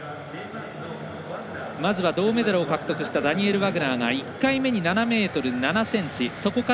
まずは、銅メダルを獲得したダニエル・ワグナーが１回目に７ｍ７ｃｍ。